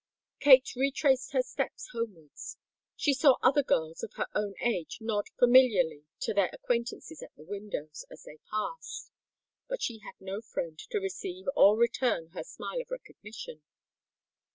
Kate retraced her steps homewards. She saw other girls of her own age nod familiarly to their acquaintances at the windows, as they passed;—but she had no friend to receive or return her smile of recognition!